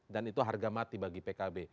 dan itu harga mati bagi pkb